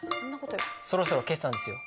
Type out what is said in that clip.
そろそろ決算ですよ。